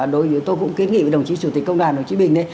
đối với tôi cũng kiếm nghị với đồng chí chủ tịch công đoàn đồng chí bình